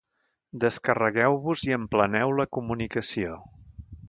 Descarregueu-vos i empleneu la comunicació.